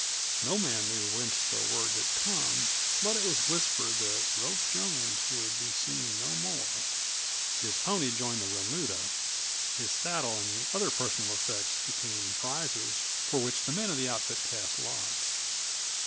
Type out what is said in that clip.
No man knew whence the word had come, but it was whispered that Rope Jones would be seen no more. His pony joined the remuda; his saddle and other personal effects became prizes for which the men of the outfit cast lots.